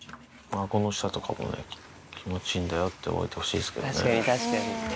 あごの下とかも、気持ちいいんだよって覚えてほしいですけどね。